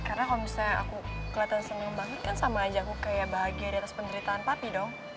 karena kalau misalnya aku kelihatan seneng banget kan sama aja aku kayak bahagia di atas penderitaan papi dong